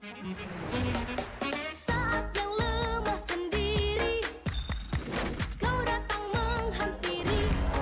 saat yang lemah sendiri kau datang menghampiri